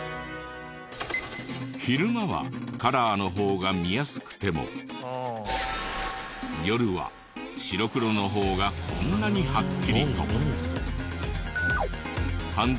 昼間はカラーの方が見やすくても夜は白黒の方がこんなにはっきりと。